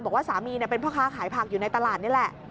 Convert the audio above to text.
บอกว่าสามีเป็นพ่อค้าขายผักอยู่ในตลาดนี่แหละ